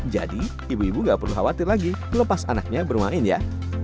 jadi ibu ibu gak perlu khawatir lagi lepas anaknya bermain ya